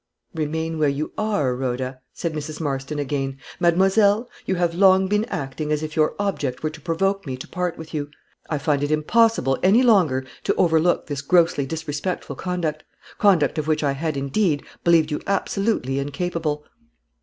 "Remain where you are, Rhoda," said Mrs. Marston again. "Mademoiselle; you have long been acting as if your object were to provoke me to part with you. I find it impossible any longer to overlook this grossly disrespectful conduct; conduct of which I had, indeed, believed you absolutely incapable.